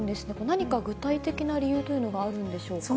何か具体的な理由というのがあるんでしょうか。